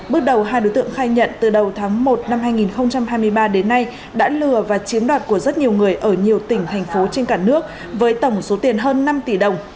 bước đầu hai đối tượng khai nhận từ đầu tháng một năm hai nghìn hai mươi ba đến nay đã lừa và chiếm đoạt của rất nhiều người ở nhiều tỉnh thành phố trên cả nước với tổng số tiền hơn năm tỷ đồng